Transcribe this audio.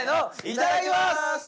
いただきます！